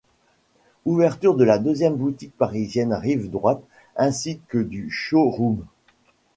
Ouverture de la deuxième boutique parisienne Rive Droite, ainsi que du show-room.